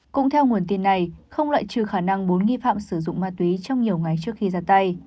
cũng theo nguồn tin này không loại trừ khả năng bốn nghi phạm sử dụng ma túy trong nhiều ngày trước khi ra tay